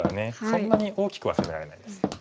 そんなに大きくは攻められないです。